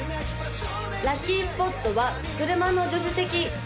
・ラッキースポットは車の助手席